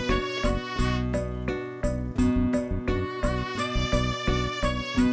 kalau kau mau berbicara